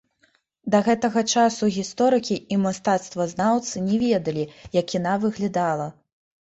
Да гэтага часу гісторыкі і мастацтвазнаўцы не ведалі, як яна выглядала.